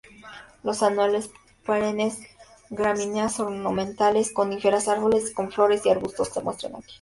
Las anuales, perennes, gramíneas ornamentales, coníferas, árboles con flores y arbustos se muestran aquí.